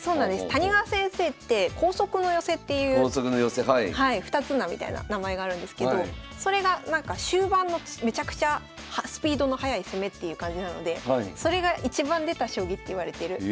谷川先生って光速の寄せっていう二つ名みたいな名前があるんですけどそれがなんか終盤のめちゃくちゃスピードの速い攻めっていう感じなのでそれが一番出た将棋っていわれてるやつでございます。